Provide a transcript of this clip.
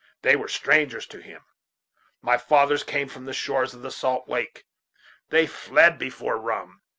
They were strangers to him. My fathers came from the shores of the salt lake. They fled before rum.